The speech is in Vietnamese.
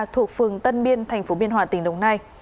thuộc phường tân biên thành phố biên hòa tỉnh đồng nai